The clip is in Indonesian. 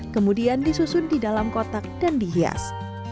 kemudian disusun di dalam kotak dan dihias